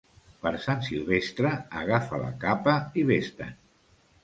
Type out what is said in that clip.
Per Sant Silvestre, agafa la capa i ves-te'n.